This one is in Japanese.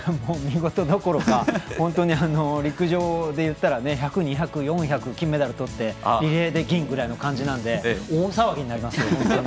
見事どころか本当に陸上で言ったら１００、２００、４００金メダルとってリレーで銀ぐらいの感じなので大騒ぎになりますよ。